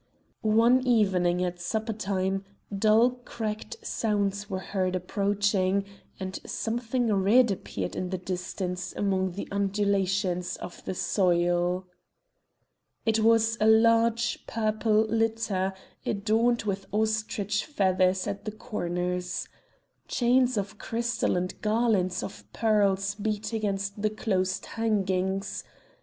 One evening, at supper time, dull cracked sounds were heard approaching, and something red appeared in the distance among the undulations of the soil. It was a large purple litter, adorned with ostrich feathers at the corners. Chains of crystal and garlands of pearls beat against the closed hangings.